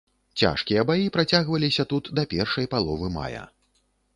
Цяжкія баі працягваліся тут да першай паловы мая.